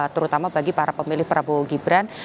terutama bagi para pemilih prabowo gibran